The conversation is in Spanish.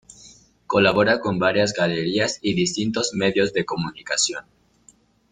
Colabora con varias galerías y distintos medios de comunicación.